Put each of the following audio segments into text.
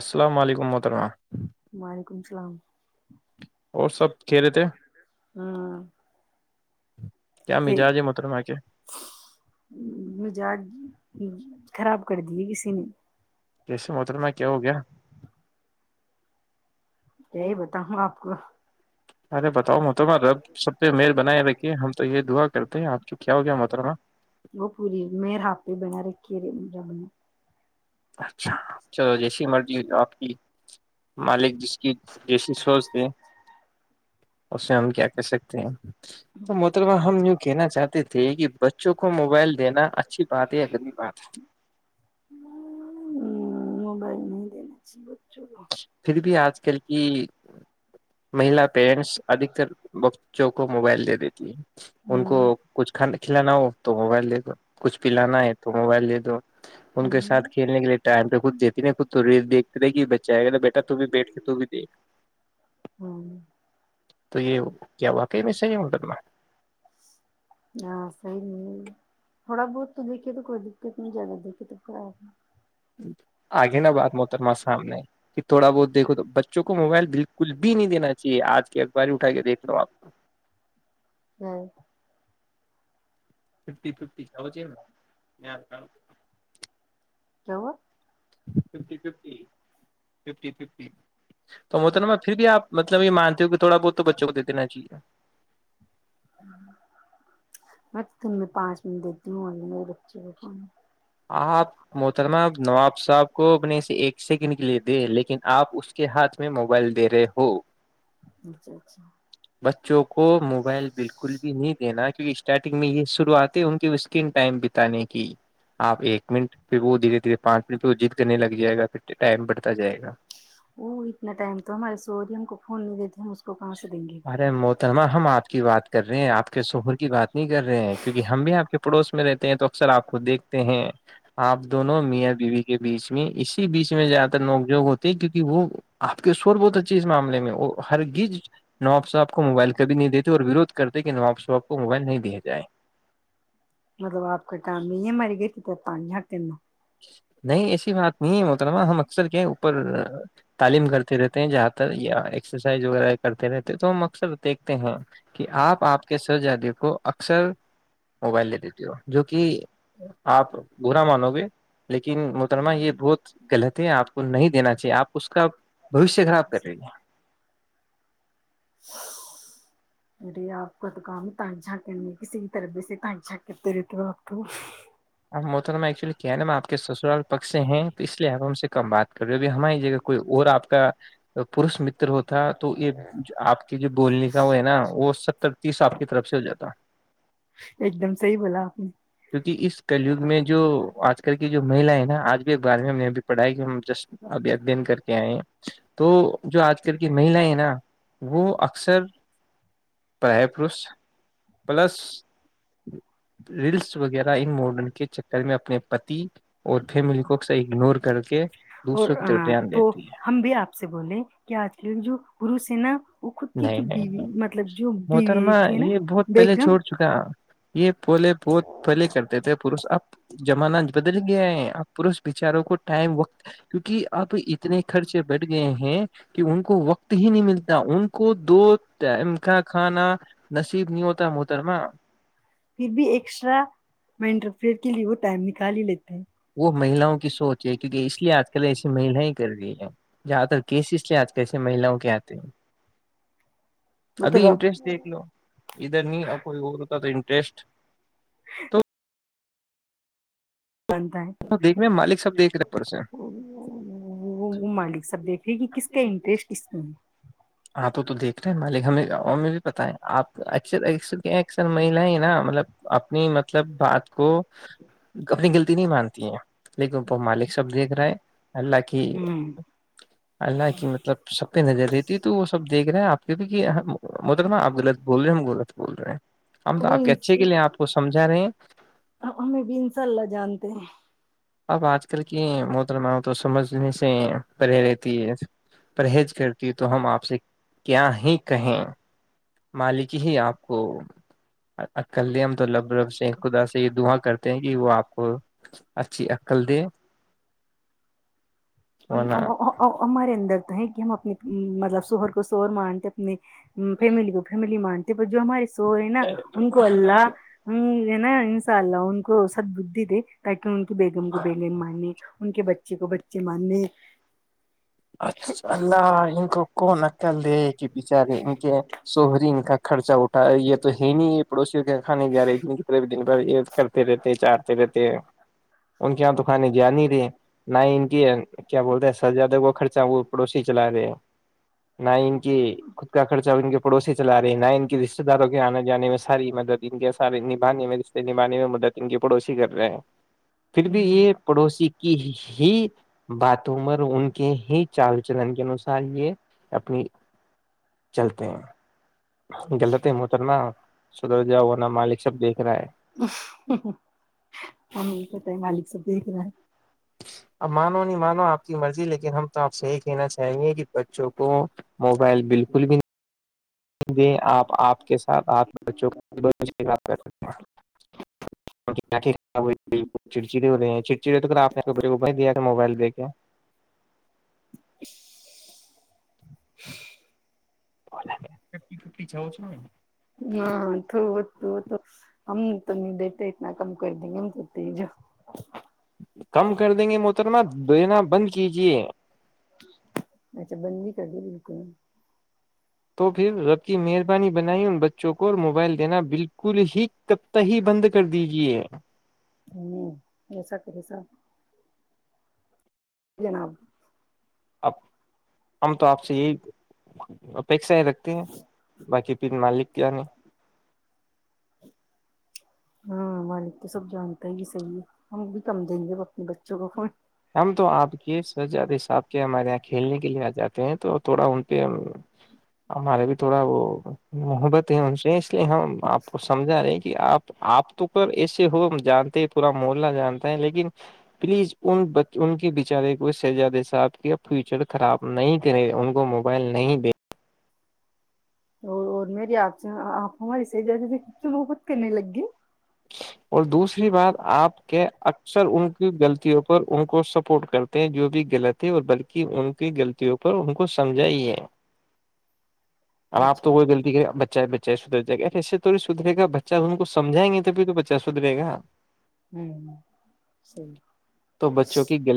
السلام علیکم محترمہ وعلیکم السلام اور سب کہہ رہے تھے کیا مزاج ہے محترمہ کے مجاج خراب کر دیے کسی نے کیسے محترمہ کیا ہو گیا یہی بتاؤں آپ کو ارے بتاؤ محترمہ رب سب پہ مہر بنائے رکھیے ہم تو یہ دعا کرتے ہیں آپ کی کیا ہو گیا محترمہ وہ پوری مر ہپی بنا رکھیی جب اچھا چلو جیسی مرضی ہو آپ کی مالک جس کی جیسی سوچ تھ اس میں ہم کیا کہ سکتے ہیں تو محتربہ ہم یوں کہنا چاہتے تھے کہ بچوں کو موبائل دینا اچھی بات ہے یا گندمی بات ہے موبائل نہیں دینے چ ب پھر بھی آج کل کی مہیلا پیرنٹس ادھتر بچوں کو موبائل دے دیتی ہے ان کو ہاں کچھھ کھلانا ہو تو موبائل دے دو کچھ پلانا ہے تو موبائل دے دو ان کے ہاں ساتھ کھیلنے کے لیے ٹائم پہ خود دیتی نہیں خود تو ری دیکھتے رہے کہ جائے گا تو بیٹا تو بھی بیٹھ کے تو بھی دیکھ تو یہ کیا واقعی میں صاہیح مقدمہ ہاں صحیح نہیں تھوڑا بہت تو دیکے تو کوئی دقت نہیں جیاہ دیکے تو خاب آگے نا بات محترما سامنے کہ تھوڑا بہت دیکھو تو بچوں کو موبائل بالکل بھی نہیں دینا چاہیے آج کے اخبار اٹھا کے دیکھ لو آپ کو ہے۔ ففٹی ففٹی خجے نا کیا ہوا فف فف ف ف تو وہ تو نا میں پھر بھی آپ مطلب یہ مانتے ہو کہ تھوڑا بہت تو بچوں کو دے دینا چاہیے [inaudible] میں تو تن میں پانچ من دیتی ہوں آئی میرے [inaudible] [inaudible] محترمہ نواب صاحب کو اپنے سے ایک سیکنڈ کے لیے دے لیکن آپ اس کے ہاتھ میں موبائل دے رہے ہو اچھا اچھا بچوں کو موبائل بالکل بھی نہیں دینا کیونکہ اسٹارٹنگ میں یہ شروعات ہے ان کی اسکرین ٹائم بتانے کی آپ ایک منٹ پھر وہ دھیرے دھیرے پانچ منٹ پہ وہ جید کرنے لگ جائے گا پھر ٹائم بڑھتا جائے گا وہ اتنا ٹائم تو ہمارے سوری ہم کو [inaudible] دیں گے ارے محترمہ ہم آپ کی بات کر رہے ہیں آپ کے شہر کی بات نہیں کر رہے ہیں کیونکہ ہم بھی آپ کے پڑوس میں رہتے ہیں تو اکثر آپ کو دیکھتے ہیں آپ دونوں میاں بیوی کے بیچ میں اس بیچ میں زیاد تر نوک جھوک ہوتی ہے کیونکہ وہ آپ کے شور بہت اچھے اس معامے میں اور ہر گز نواب صاحب کو موبائل کبھی نہیں دیتے اور وورودھ کرتے کہ نوااب صاحب کو موبائل نہیں دیا جائے مطلب آپ کا کام نہیں ہے ہماری گھر کی طرف تان جھانک کرنا نہیں ایسی بات نہیں ہے محترمہ ہم اکثر کیا اوپر تعلیم کرتے رہتے ہیں جہاں تر یا ایکسرسائز وغیرہ تو [unintelligible] سب دیکھتے ہیں کہ آپ آپ کے سہجا دے کو اکثر موبائل دے دیتے ہو جو کہ آپ برا مانو گے لیکن مترمہ یہ بہت غلط ہے آپ کو نہیں دینا چاہیے آپ اس کا بھوشیہ خراب کر رہی ہیں اری آپ [unintelligible] کت کا میں تن جھا کےی [unintelligible] کسی بھی طرح سے ت [unintelligible] چ کتے رہیتے آپ کو [unintelligible] آپ محتر میں ایکچولی کیا ہے نا میں آپ کے سسرال پکش سے ہیں تو اس لیے آپ ہم سے کمات [unintelligible] کبھی ہماری جگہ کوئی اور آپ کا پوروش متر ہوتا تو یہ آپ کے جو بولنے کا وہ ہے نا وہ ستر تیس آپ کی طرف سے ہو جاتا ایک دم صحیح بولا آپ نے کیوکی اس کلگ میں جو آج کل کی جو ماہلائے ہے نا آج بھی ایک بار میں میں بھی پڑھائی جس ادھین کر کے آئے [unintelligible] تو جو آج کل کی مہیلا ہیں نا وہ اکثر پرائے پروش پلس ریلس وغیرہ ان ماڈن کے چکر میں اپنے پتی اور فیملی کو اگنور کر کے اور دوسروں کی طرف دھیان تو دیتی ہے ہم بھی آپ سے بولے کہ آج کے جو پورو س ہے نا وہ خود کی نہیں جو نہیں بیوی نہیں مطلب جو بیوی محترما رہتی ہے نا یہ بہت پہلے بیگم چھوڑ چکا یہ پھولے بہت پھلے کرتے تھے پروش اب جمانج بدل گیا ہے آپ پو بچاروں کو ٹائم وقت کیونکہ اب اتنے خرچے بیٹھ گئے ہیں کہ ان کو وقت ہی نہیں ملتا ان کو دو ٹائم کا کھانا نصیب نہیں ہوتا محترما پھر بھی ایکسٹرا میں انٹرفیئر کے لیے وہ ٹائم نکال ہی لیتی ہ وہ مہیلاؤں کی سوچ ہے کیونکہ اس لیے آج کل ایس میحلا ے ہی کررہی ہ [unintelligible] زیادہ تر کیسز لے آج کیسے مہیلاؤں کے آتے ہیں وہ تو ابھی رب انٹرسٹ دیکھ لو ادھر نہیں اور کوئی اور ہوتا تو انٹرسٹ تو جتا دیکھ رہے مالک سب دیکھ ہے رہے پرسن وہ مالک سب دیکھ رہے کہ کس کا انٹرسٹ اس میں ہے آپ تو دیکھ رہے ہیں مالک ہمیں اور ہمیں بھی پتہ ہے آپ اکثر اکثر مہیلیں مطلب اپنی مطلب بات کو اپنی گغلتی نہیں مانتی ہے لیکن وہ مالک سب دیکھ رہا ہے اللہ کی ہے اللہ کی مطلب سب پہ نظر سب دیک رہے ہیں آپ کے بھی کہ مطلب آپ غط بول رہے ہم گول بول رہے ہیں ہم تو وہ آپ کے اچھے کے لیے آپ کو سمجھا رہے ہیں ہمیں بھی ان شاء اللہ جانتے ہیں اب آج کل کی متر ما تو سمجھنے سے پرہی رہتی ہے پرہیز کرتی ہے تو ہم آپ سے کیا ہی کہیں مالکی ہی آپ کو عقل دیں ہم تو رب رب سے خدا سے یہ دعا کرتے ہیں کہ وہ آپ کو اچھی عقل دے ورنہ ہمارے اندر تو ہے کہ ہم اپنی مطلب سوہر کو سوور مانتے اپنے فیملی کو فیملی م تو ب جو ہماری سو ہے نا ان کو اللہ ہ ہے نا انساء اللہ ان کو بودھی دی ان کی بیگم کو بیلن مارنے ان کے بچے کو بچے جمانے اچھا اللہ ان کو کون عقل دے کہ بچارے ان کے شہری ان کا خرچہ اٹھا یہ تو ہے نہیں ہے پڑوسیوں کے یہ کھانے گ رہے جن کی طب دن بھر یہ کرتے رہتے چاہتے رہتے ان کے یہاں تو کھانے گیان ہی رہے نہ ہی ان کی کیا بولتے ہیں سر جادو کو خرچہ وہ پڑوسی چلا رہے ہیں نہ ان کے خود کا خرچہ وہ ان کے پڑوسی چلا رہے ہیں نہ ان کے رشتے داروں کے آنے جانے میں ساری مدد ان کے سارے نبھانے میں رشتے نبھانے میں مدد ان کے پڑوسی کر رہے ہیں پھر بھی یہ پڑوسی کی ہی بات عمر ان کے ہی چال چلن کے انوسار یہ اپنی چلتے ہیں غلط ہے محترمہ سدرجا ہو ن مالک سب دیکھ رہا ہے ہمیں پتہ ہے مالک سب دیکھ رہا ہے اب مانو نہیں مانو آپ کی مرضی لیکن ہم تو آپ سے یہ کہنا چاہیں گے کہ بچوں کو موبائل بالکل بھی آپ آپ کے ساتھ آ بوں کو چڑچڑی ہو چڑچڑی آپ نے دیا موبائل دے کے [inaudible] [inaudible] ہاں تو وہ تو تو ہم تو نہیں دیتے اتنا کم کر دیں گے ہم تو تیز کم کر دیں گے محترما دینا بند کیجیے اچھا بند بھی کر دیی بالکل تو پھر ربطی مہربانی بنائی ان بچوں کو اور موبائل دینا بالکل ہی کبتی بند کر دیجئے ہمم بسکری سب جناب [inaudible] ہم تو آپ سے یہی اپیشا ہی رکھتے ہیں باقی پھر مالک کیا نہیں ہمے تو سب جانتا ہی صحی ہے ہم بھی کم دیں گے اپنے بچوں کو فون ہم تو آپ کے سجاد حساب کے ہمارے یہ کھیلنے کے لیے آ جاتے ہیں تو تھوڑا ان پہ ہمارے بھی تھوڑا وہ محبت ہے ان سے اس لیے ہم آپ کو سمجھا رہے ہیں کہ آپ آپ تو ایسے ہو ہم جانتے پورا محلہ جانتے لیکن پلیز ان کے بیچارے کو شہزادے صاحب کے فیوچر خراب نہیں کرے ان کو موبائل نہیں د اور اور مری آپ سے آپ ہماری س ج خود کرنے لگ گی اور دوسری بات آپ کے اکثر ان کی غلطوں پر ان کو کو سپورٹ کرتے ہیں جو بھی غلط ہے اور بلکہ ان کی غلطیوں پر ان کو سمجھا ہی ہے اب آپ اچھا تو کوئی غلطی کری ب چاہے بچائے سدھر جائے گا ایےوڑ سدھے گا بچا ان کو سمجھیں گے تو بھی تو پچاس سترے گا ہوں صحیح تو بچوں کیط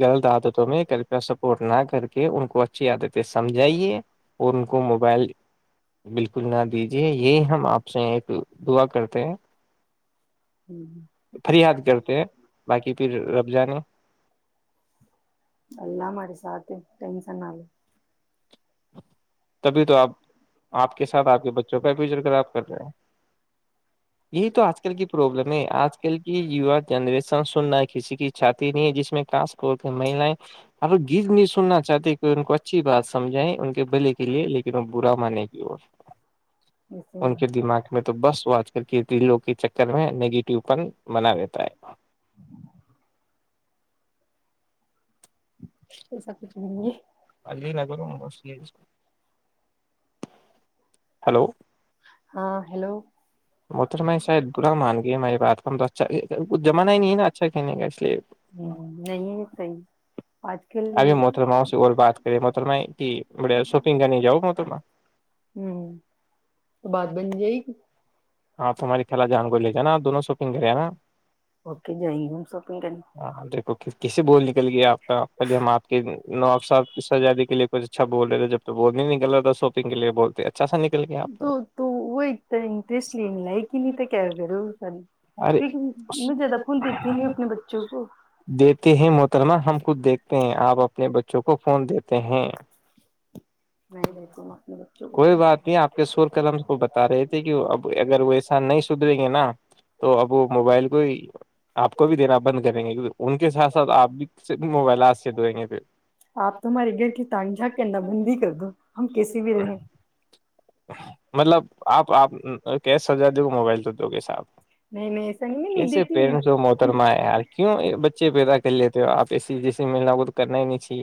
غلط عادتوں میں کرپیا سپورٹ نہ کر کے ان کو اچھا اچھی عادتیں سمجھائیے اور ان کو موبائل بالکل نہ دیجیے یہی ہم آپ سے ایک دعا کرتے ہیں فریاد کرتے ہیں باقی پھر رب جانے [inaudible] اللہ ہمرے ساتات ہیں ٹینشن نہ کے تبھی تو آپ آپ کے ساتھ آپ کے بچوں کا فچر کراب کر رہے ہیں یہی تو آج کل کی پرابلم ہے آج کل کی یوا جنریشن سننا کسی کی چھاتی نہیں ہے جس میں کاس پ م لائ ا گر نہیں سننا چاہتے کہ ان کو اچھی بات سمجھیں ان کے بھلے لیکن وہ برا مانے گی اور ایسے ان کے دماغ میں تو بس و آج کر کے لو کے چکر میں نگیٹو پن بنا دیتا ہے [inaudible] ایسا کچھ نہیں ہے [inaudible] ہیلو ہاں ہیلو متر میں شاید برا مان گیا ہماری بات کا اچھاھ جمانہ ہی نہیں ہے نا اچھا [inaudible] ہ نہیں صحیح آج کل آ مترم سے بات کر مترما ب شوپگ کرنے جاؤ مترم ہوں تو بات بن جائے گی ہاں تو ہمارے خل جان گو لے جانا دونوں شاپنگ کرے نا اوکے جائیں گے ہم شاپنگ کرنے ہاں دیکھو کیسے بول نکل گیا آپ کا خے ہم آپ کے نو سزادی کے لیے کچھ بول رہے تھے جب تو بول نہیں نکلتا تھا ساپنگ کےے بولتے تھ تو تو وہ اتنا انٹرسٹ لنے ل کہ نہیں کیا کرو ارے کیونک میں زیادہ فون دیتی نہیں ہوں اپنے بچوں کو ترما ہم خود دھ آپ اپنے بچوں کو فون دیتے ہیں میں دیتی ہوں اپنے بچوں کوئی کو بات نہیں آپ کے شور قلم کو بتا رہے تھے کہ اب اگر وہ ایسا نہیں سدریں گے نا تو اب وہ موبائل کو آپ کو بھی دینا بند کریں گے ان کے ساتھ ساتھ آپ بھی موبائل آ سک دئیں گے آپ تو پھر ہمارے گھر کی تان جھاک کرنا بند ہی کر دو ہم کیسے بھی رہے مطلب آپ آپ کیش سجا د گے موبائل تو تو نہیں نہیں ایسا نہیں میں [inaudible] نہیں کیسے دیتی ہوں، پیرنٹس وہ ہم محترما ہے یار کیوں بچے پیدا کر لیتے ہو آپ جسی جیسے ملنا وہ تو کرنا ہی نہیں چے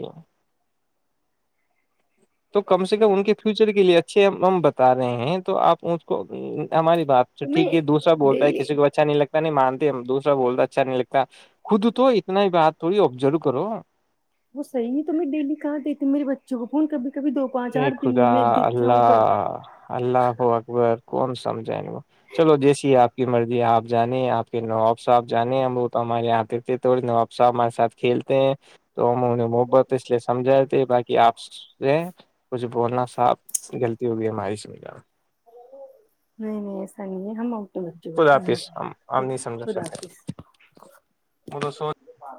تو کم سے کم ان کے فیوچر کے لیے اچھے بتا رہے ہیں تو آپ اچ ہماری بات تو ٹھیک ہے دوسرا تمہیں بولتا ہے ڈیلی کسی کو اچھا نہیں لگتا نہیں مانتے دوسرا بولتا اچھا نہیں لگتا خود تو اتنا ہی بات تھوڑی ابزرو کرو جوون کا بھی ا خدا تب اللہ ہو اکبر کون سم وہ چلو جیسی ہے آپ کی مرضی ہے آپ جانے ہیں آپ کے نواب صاحب جانے ہم وہ تو ہمارے یہاں دیتے تھڑے نواب صاحب ہمارےاتھ کھیلتے ہیں تو ہم انہیں محبت اس لیے سمجھائے تے باقی آپ کچھ بولنا صاف غلطی ہوگی ہماری سے [inaudible] نہیں نہیں ایس سے ہم آ بچے کو خدا حافظ ہم ہم ف نہیں سمجھا خدا سکتے حافظ وہ تو سو